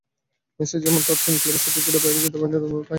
Messi যেমন তাঁর তিন ক্লাব সতীর্থের বাইরে যেতে পারেননি, রোনালদোও তা-ই।